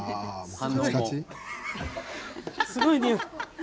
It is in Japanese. すごいにおい。